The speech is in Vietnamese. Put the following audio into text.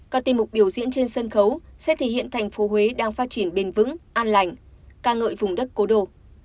các tiêm mục biểu diễn trên sân khấu sẽ thể hiện thành phố huế đang phát triển bền vững an lành ca ngợi vùng đất cố đô